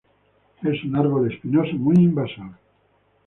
Es un árbol espinoso muy invasor.